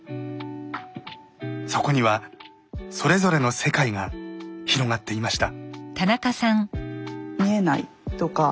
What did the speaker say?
そこにはそれぞれの世界が広がっていました。